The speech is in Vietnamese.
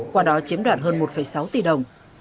quả đó chiếm đoạt hơn một sáu